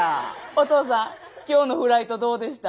お父さん今日のフライトどうでした？